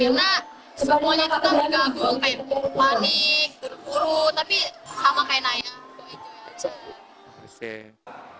karena semuanya kita bergabung kayak panik berburu tapi sama kayak nanya